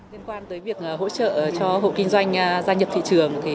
liên quan tới việc hỗ trợ cho hộ kinh doanh gia nhập thị trường